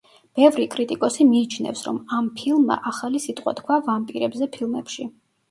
ბევრი კრიტიკოსი მიიჩნევს, რომ ამ ფილმა ახალი სიტყვა თქვა ვამპირებზე ფილმებში.